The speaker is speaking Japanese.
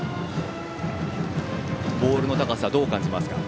ボールの高さ、どう感じますか。